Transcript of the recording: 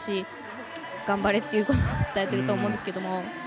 今、もう少し頑張れということを伝えてると思うんですけども。